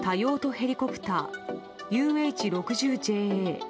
ヘリコプターＵＨ６０ＪＡ。